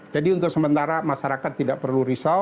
jadi untuk sementara masyarakat tidak perlu risau